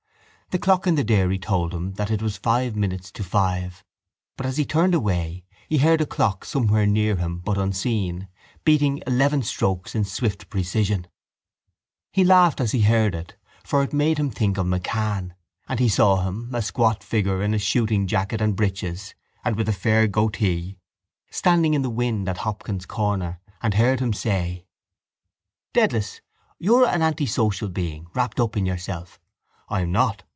The clock in the dairy told him that it was five minutes to five but, as he turned away, he heard a clock somewhere near him, but unseen, beating eleven strokes in swift precision. He laughed as he heard it for it made him think of MacCann; and he saw him a squat figure in a shooting jacket and breeches and with a fair goatee, standing in the wind at Hopkins' corner, and heard him say: —Dedalus, you're an antisocial being, wrapped up in yourself. I'm not.